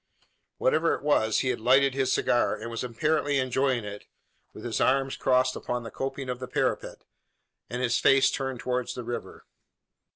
Whatever it was, he had lighted his cigar, and was apparently enjoying it, with his arms crossed upon the coping of the parapet, and his face turned towards the river.